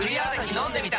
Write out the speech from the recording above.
飲んでみた！